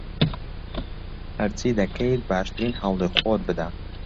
هەرچی دەکەیت، باشترین هەوڵی خۆت بدە.